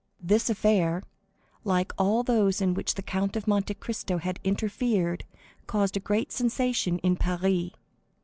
This affair, like all those in which the Count of Monte Cristo had interfered, caused a great sensation in Paris.